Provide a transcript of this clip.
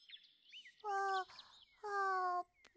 ああーぷん。